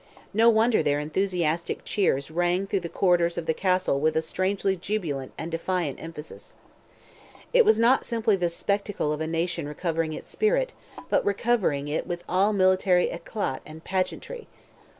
No wonder their enthusiastic cheers rang through the corridors of the castle with a strangely jubilant and defiant emphasis. It was not simply the spectacle of a nation recovering its spirit, but recovering it with all military éclat and pageantry.